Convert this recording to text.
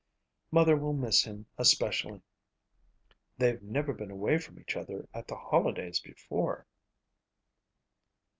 "Mother will miss him especially. They've never been away from each other at the holidays before."